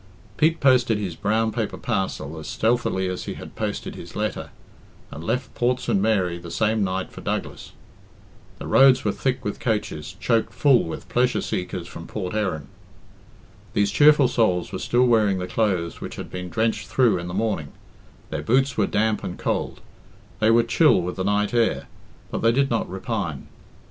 Pete posted his brown paper parcel as stealthily as he had posted his letter, and left Port St. Mary the same night for Douglas. The roads were thick with coaches, choked full with pleasure seekers from Port Erin. These cheerful souls were still wearing the clothes which had been drenched through in the morning; their boots were damp and cold; they were chill with the night air, but they did not repine.